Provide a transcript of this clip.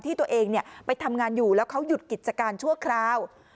ที่ตัวเองไปทำงานอยู่แล้วเขาหยุดกิจการชั่วคราว